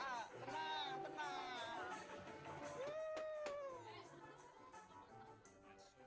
ah ah tenang tenang